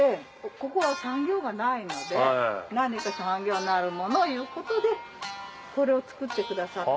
ここは産業がないので何か産業になるものいうことでこれを作ってくださった。